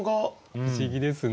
不思議ですね。